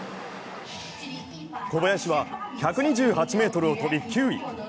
小林は１２８ｍを飛び、９位。